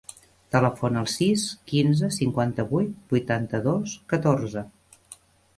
Telefona al sis, quinze, cinquanta-vuit, vuitanta-dos, catorze.